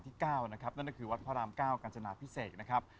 สิ่งนึงเคยใหม่ขอวาดอ่ะครับ